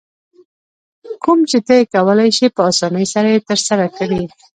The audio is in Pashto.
کوم چې ته یې کولای شې په اسانۍ سره یې ترسره کړې.